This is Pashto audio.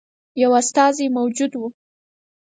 یو استازی موجود وو.